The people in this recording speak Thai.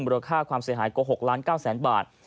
บริค่าความเสียหายกว่า๖๙๐๐๐๐๐บาท